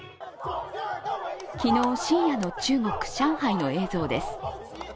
昨日深夜の中国・上海の映像です。